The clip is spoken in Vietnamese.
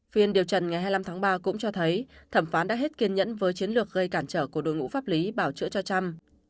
phiên điều trần ngày hai mươi năm tháng ba cũng cho thấy thẩm phán đã hết kiên nhẫn với chiến lược gây cản trở của đối ngũ pháp lý bảo chữa cho trump